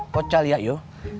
kok caliak yob